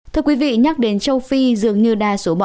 thưa quý vị nhắc đến châu phi dường như đa số mọi người đều không biết